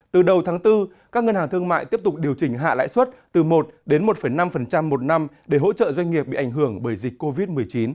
từ đầu tháng bốn các ngân hàng thương mại tiếp tục điều chỉnh hạ lãi suất từ một đến một năm một năm để hỗ trợ doanh nghiệp bị ảnh hưởng bởi dịch covid một mươi chín